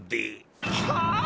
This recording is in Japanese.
はあ！？